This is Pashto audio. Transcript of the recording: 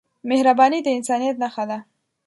مهرباني د انسانیت نښه ده.